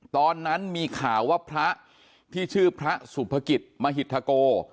ตอนนั้นมีข่าวว่าพระที่ชื่อพระสุภกิจมหิตธโก